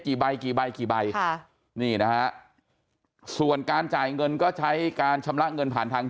ใบกี่ใบกี่ใบค่ะนี่นะฮะส่วนการจ่ายเงินก็ใช้การชำระเงินผ่านทาง